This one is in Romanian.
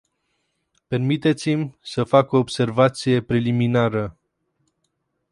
Permiteți-mi să fac o observație preliminară.